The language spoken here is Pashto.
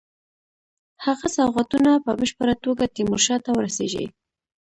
هغه سوغاتونه په بشپړه توګه تیمورشاه ته ورسیږي.